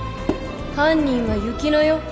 犯人は雪乃よ